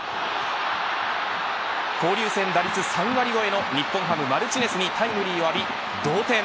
交流戦打率３割超えの日本ハム、マルティネスにタイムリーを浴び同点。